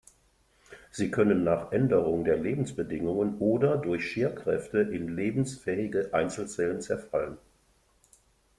Sie können nach Änderung der Lebensbedingungen oder durch Scherkräfte in lebensfähige Einzelzellen zerfallen.